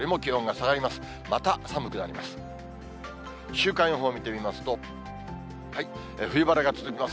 週間予報見てみますと、冬晴れが続きます。